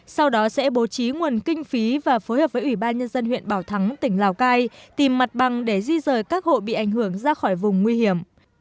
sau đó sẽ bố trí nguồn kinh phí và phối hợp với ubnd huyện bảo thắng tỉnh lào cai tìm mặt bằng để di rời các hộ bị ảnh hưởng ra khỏi vùng nguy hiểm